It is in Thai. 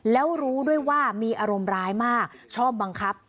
แล้วรู้ด้วยว่ามีอารมณ์ร้ายมากชอบบังคับ